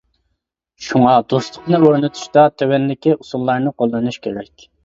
شۇڭا دوستلۇقنى ئورنىتىشتا تۆۋەندىكى ئۇسۇللارنى قوللىنىش كېرەك.